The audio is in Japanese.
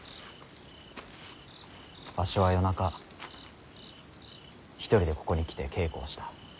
わしは夜中１人でここに来て稽古をした。